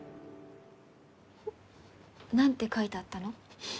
何て書いてあったの？